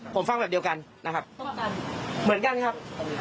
ผมฟังแบบเดียวกันนะครับเหมือนกันครับ